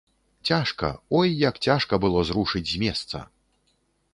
Цяжка, ой як цяжка было зрушыць з месца!